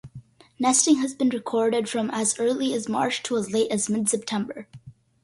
Nesting has been recorded from as early as March to as late as mid-September.